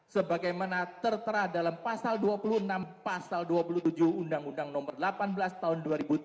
sebagaimana tertera dalam pasal dua puluh enam pasal dua puluh tujuh undang undang nomor delapan belas tahun dua ribu tiga